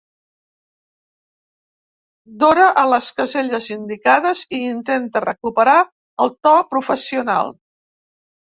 Dora a les caselles indicades i intenta recuperar el to professional.